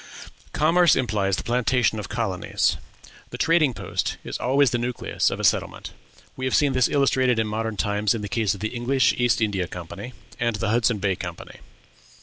Commerce implies the plantation of colonies; the trading post is always the nucleus of a settlement; we have seen this illustrated in modern times in the case of the English East India Company and the Hudson Bay Company.